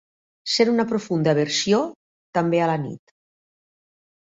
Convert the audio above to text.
Sent una profunda aversió, també a la nit.